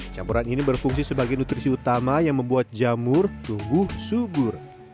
campuran ini berfungsi sebagai nutrisi utama yang membuat jamur tumbuh subur